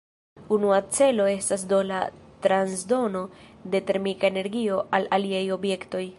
Unua celo estas do la transdono de termika energio al aliaj objektoj.